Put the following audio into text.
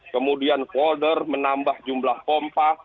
kemudian folder menambah jumlah pompa